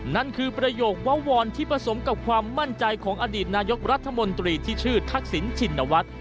นั่นคือประโยควร้าวรที่ผสมกับความมั่นใจของอดีตนายกรัฐมนตรีที่ชื่อทักษิณชินวัฒน์